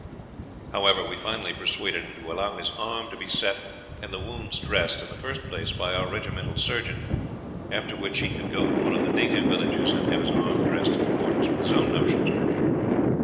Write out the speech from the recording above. However, we finally persuaded him to allow his arm to be set and the wounds dressed in the first place by our regimental surgeon, after which he could go to one of the native villages and have his arm dressed in accordance with his own notions.